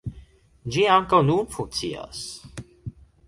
Ĝi ankaŭ nun funkcias.